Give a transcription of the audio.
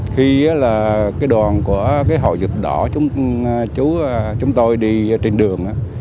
khi đoàn của hội dịch đỏ chúng tôi đi trên đường